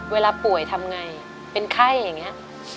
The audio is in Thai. เวลาป่วยทำไงเป็นไข้อย่างนี้